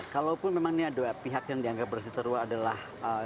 kalaupun memang ini ada pihak yang dianggap berseterua adalah